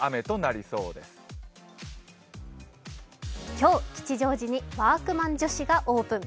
今日、吉祥寺に＃ワークマン女子がオープン。